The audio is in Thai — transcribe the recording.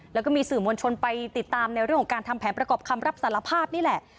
แล้วก็มีสื่อมวลชนไปติดตามในเรื่องของการทำแผนประกอบคำรับสารภาพนี่แหละ